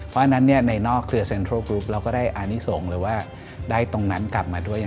เพราะฉะนั้นในนอกเครือเซ็นทรัลกรุ๊ปเราก็ได้อานิสงฆ์หรือว่าได้ตรงนั้นกลับมาด้วย